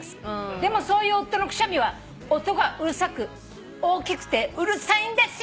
「でもそういう夫のくしゃみは音が大きくてうるさいんですよ」